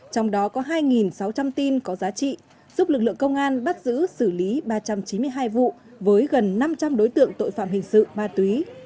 trong đó có hai sáu trăm linh tin có giá trị giúp lực lượng công an bắt giữ xử lý ba trăm chín mươi hai vụ với gần năm trăm linh đối tượng tội phạm hình sự ma túy